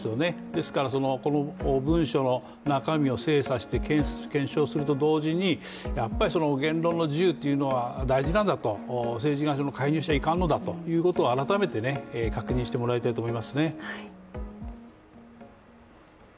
ですからこの文書の中身を精査して検証すると同時にやっぱり言論の自由というのは大事なんだと、政治が介入してはいかんのだということを改めて確認してもらいたいと思いますね。